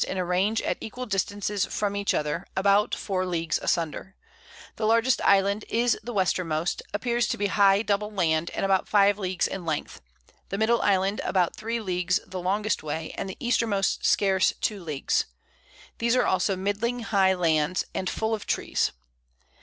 in a Range at equal Distances from each other, about 4 Leagues asunder: The largest Island is the Westermost, appears to be high double Land, and about 5 Leagues in Length; the middle Island about 3 Leagues the longest way, and the Eastermost scarce 2 Leagues; these are also middling high Lands, and full of Trees.